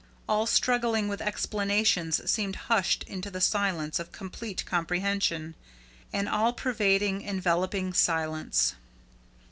All struggling with explanations seemed hushed into the silence of complete comprehension an all pervading, enveloping silence.